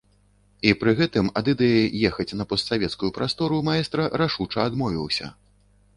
І пры гэтым ад ідэі ехаць на постсавецкую прастору маэстра рашуча адмовіўся.